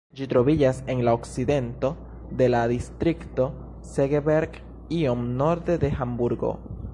Ĝi troviĝas en la okcidento de la distrikto Segeberg, iom norde de Hamburgo.